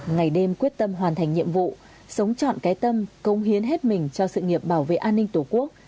ngày đêm quyết tâm hoàn thành nhiệm vụ sống chọn cái tâm công hiến hết mình cho sự nghiệp bảo vệ an ninh tổ quốc